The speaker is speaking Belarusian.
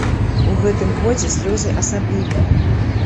У гэтым годзе слёзы асаблівыя.